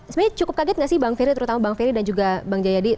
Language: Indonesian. sebenarnya cukup kaget nggak sih bang ferry terutama bang ferry dan juga bang jayadi